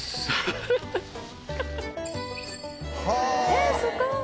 「えっすごい！」